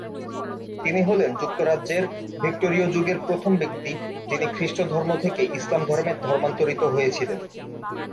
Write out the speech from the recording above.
তিনি হলেন যুক্তরাজ্যের ভিক্টোরীয় যুগের প্রথম ব্যক্তি, যিনি খ্রিষ্ট ধর্ম থেকে ইসলাম ধর্মে ধর্মান্তরিত হয়েছিলেন।